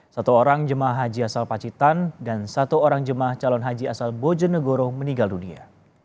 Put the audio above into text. satu orang jemaah haji asal pacitan dan satu orang jemaah calon haji asal bojonegoro meninggal dunia